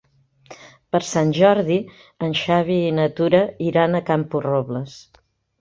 Per Sant Jordi en Xavi i na Tura iran a Camporrobles.